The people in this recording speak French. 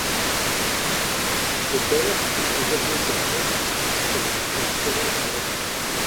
Le chœur, plus élevé que la nef, s'appuie sur un solin de grès.